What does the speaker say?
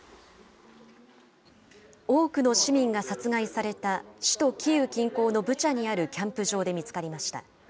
多くの市民が殺害された首都キーウ近郊のブチャにあるキャンプ場で見つかりました。